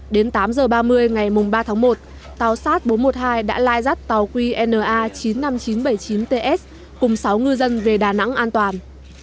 đến tám h ba mươi ngày ba tháng một tàu sát bốn trăm một mươi hai đã lai rắt tàu qna chín mươi năm nghìn chín trăm bảy mươi chín ts cùng sáu ngư dân về đà nẵng an toàn